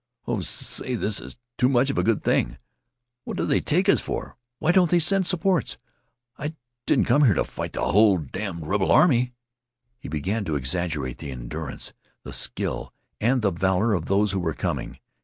"Oh, say, this is too much of a good thing! What do they take us for why don't they send supports? I didn't come here to fight the hull damned rebel army." He began to exaggerate the endurance, the skill, and the valor of those who were coming.